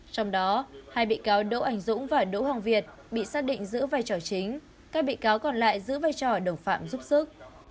trong đó hai bị cáo đỗ ảnh dũng và đỗ hoàng việt bị xác định giữ vai trò chính các bị cáo còn lại giữ vai trò đồng phạm giúp sức